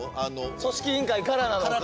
組織委員会からなのか。